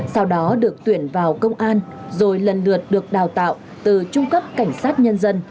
sau đó được tuyển vào công an rồi lần lượt được đào tạo từ trung cấp cảnh sát nhân dân